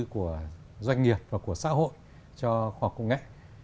của xã hội cho khoa học công nghệ